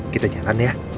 kita jalan ya